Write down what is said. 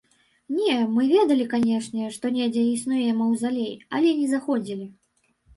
Не, мы ведалі, канечне, што недзе існуе маўзалей, але не заходзілі.